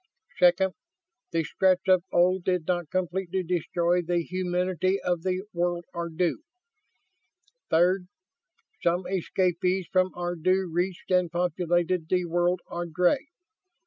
Second, the Stretts of old did not completely destroy the humanity of the world Ardu. Third, some escapees from Ardu reached and populated the world Ardry.